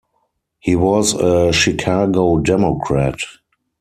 He was a Chicago Democrat.